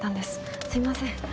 すいません。